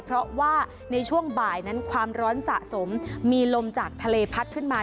เพราะว่าในช่วงบ่ายนั้นความร้อนสะสมมีลมจากทะเลพัดขึ้นมา